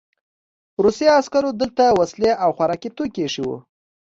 روسي عسکرو دلته وسلې او خوراکي توکي ایښي وو